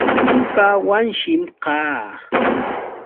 Ñuqa Wanshim kaa.